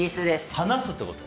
離すってこと？